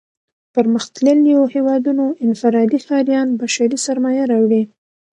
پرمختلليو هېوادونو انفرادي ښاريان بشري سرمايه راوړي.